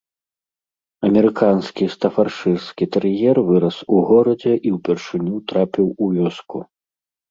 Амерыканскі стафардшырскі тэр'ер вырас у горадзе і ўпершыню трапіў у вёску.